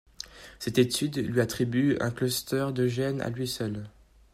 Cette étude lui attribue un cluster de gènes à lui seul.